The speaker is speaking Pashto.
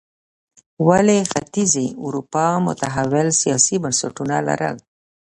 ولې ختیځې اروپا متحول سیاسي بنسټونه لرل.